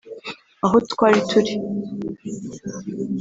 ”Aho twari turi